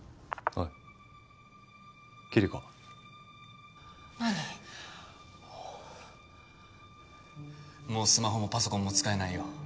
おおもうスマホもパソコンも使えないよ